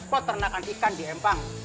peternakan ikan di empang